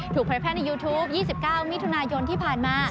ถูกเพิ่มแพทย์ในยูทูป๒๙มิถุนายนที่ผ่านมา